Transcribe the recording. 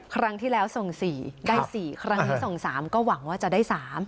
ครั้งที่แล้วส่ง๔ได้๔ครั้งนี้ส่ง๓ก็หวังว่าจะได้๓